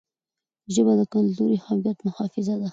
ژبه د کلتوري هویت محافظه ده.